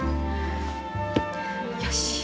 よし。